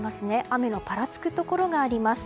雨がぱらつくところがあります。